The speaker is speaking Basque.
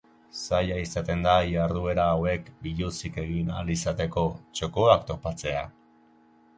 Zaila izaten da iharduera hauek biluzik egin ahal izateko txokoak topatzea?